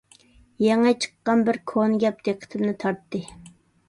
يېڭى چىققان بىر كونا گەپ دىققىتىمنى تارتتى.